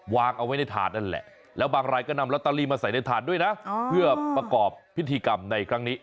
วางเอาไว้ในถาดนั่นแหละแล้วบางรายก็นำลอตเตอรี่มาใส่ในถาดด้วยนะเพื่อประกอบพิธีกรรมในครั้งนี้